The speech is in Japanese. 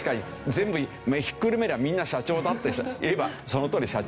全部ひっくるめりゃみんな社長だといえばそのとおり社長。